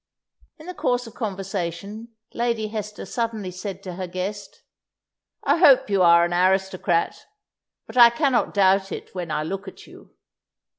In the course of conversation, Lady Hester suddenly said to her guest: "I hope that you are an aristocrat; but I cannot doubt it when I look at you."